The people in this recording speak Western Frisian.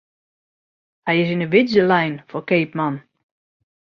Hy is yn 'e widze lein foar keapman.